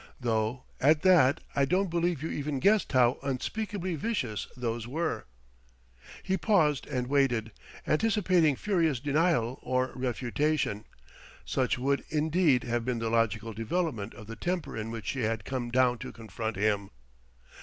Though, at that, I don't believe you even guessed how unspeakably vicious those were!" He paused and waited, anticipating furious denial or refutation; such would, indeed, have been the logical development of the temper in which she had come down to confront him.